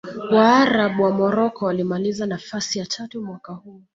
waarabu wa morocco walimaliza nafasi ya tatu mwaka huo